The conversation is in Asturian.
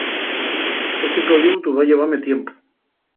Esti proyeutu va llevame tiempu.